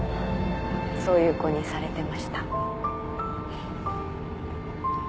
そういう子にされてました。